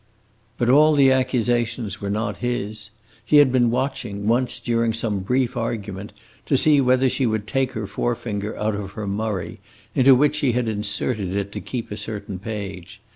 But all the accusations were not his. He had been watching, once, during some brief argument, to see whether she would take her forefinger out of her Murray, into which she had inserted it to keep a certain page.